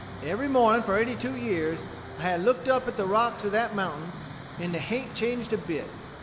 Every morning for eighty two years I ha' looked up at the rocks o' that mountain 'en they h'aint changed a bit."